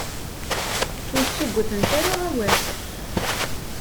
Ur ssuggutent ara awal.